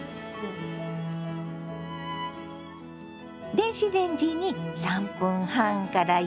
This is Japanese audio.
電子レンジに３分半から４分間かけてね。